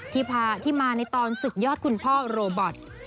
ที่พาที่มาในตอนสุดยอดคุณพ่อโรบอท